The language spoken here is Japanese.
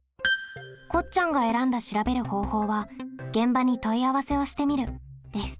こっちゃんが選んだ調べる方法は「現場に問い合わせをしてみる」です。